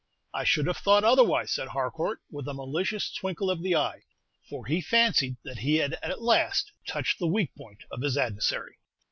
"I should have thought otherwise," said Harcourt, with a malicious twinkle of the eye; for he fancied that he had at last touched the weak point of his adversary.